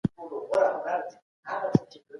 په پخواني وخت کي خلګ څنګه لاسي صنايع جوړول؟